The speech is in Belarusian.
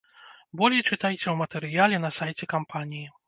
Болей чытайце ў матэрыяле на сайце кампаніі.